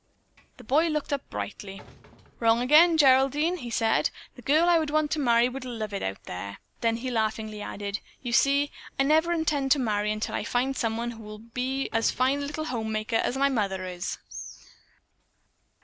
The boy looked up brightly. "Wrong again, Geraldine!" he said. "The girl I would want to marry would love it out there." Then he laughingly added: "You see, I never intend to marry until I find someone who will be as fine a little homemaker as my mother is.